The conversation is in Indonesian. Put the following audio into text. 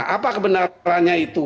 apa kebenarannya itu